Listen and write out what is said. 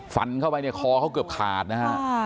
ฟันเข้าไปเนี่ยคอเขาเกือบขาดนะฮะ